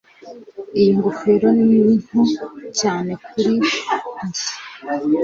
Iyi ngofero ni nto cyane kuri njye.